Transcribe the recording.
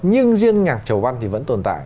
nhưng riêng nhạc trầu văn thì vẫn tồn tại